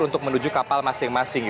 untuk menuju kapal masing masing